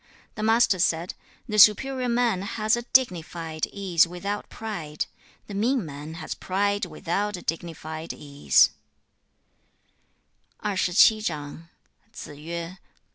The Master said, 'The superior man has a dignified ease without pride. The mean man has pride without a dignified ease.'